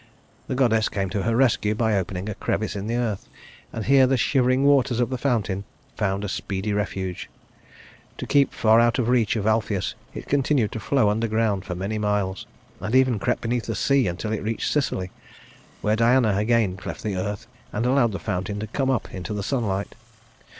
The goddess came to her rescue by opening a crevice in the earth, and here the shivering waters of the fountain found a speedy refuge. To keep far out of the reach of Alpheus it continued to flow underground for many miles, and even crept beneath the sea until it reached Sicily, where Diana again cleft the earth and allowed the fountain to come up into the sunlight.